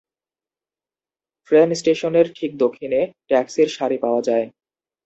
Train স্টেশনের ঠিক দক্ষিণে ট্যাক্সির সারি পাওয়া যায়।